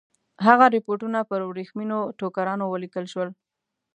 هغه رپوټونه پر ورېښمینو ټوکرانو ولیکل شول.